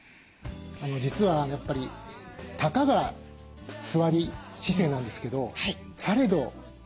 実はやっぱりたかが座り姿勢なんですけどされど座り姿勢なんですね。